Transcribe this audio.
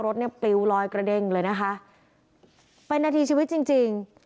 รถปลิวลอยกระเด้งเลยนะคะเป็นหน้าที่ชีวิตจริง